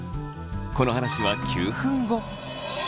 この話は９分後。